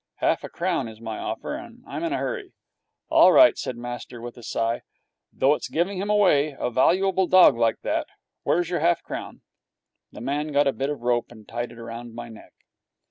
Half a crown is my offer, and I'm in a hurry.' 'All right,' said master, with a sigh, 'though it's giving him away, a valuable dog like that. Where's your half crown?' The man got a bit of rope and tied it round my neck.